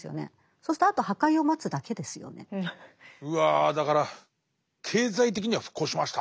そうするとあとうわだから経済的には復興しました。